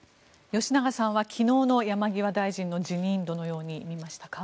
吉永さんは昨日の山際大臣の辞任をどのように見ましたか？